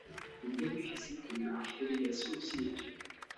Il bénéficie d'une large délégation de signature.